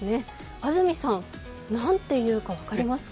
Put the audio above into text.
安住さん、何て言うか分かりますか？